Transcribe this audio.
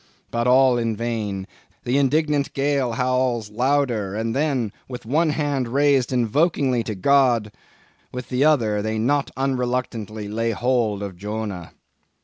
But all in vain; the indignant gale howls louder; then, with one hand raised invokingly to God, with the other they not unreluctantly lay hold of Jonah.